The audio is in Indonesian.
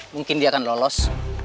mungkin dia akan lolos